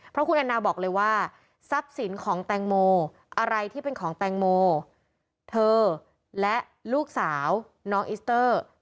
เพราะคุณแอนนาบอกเลยว่าทรัพย์สินของแตงโมอะไรที่เป็นของแตงโมเธอและลูกสาวน้องอิสเตอร์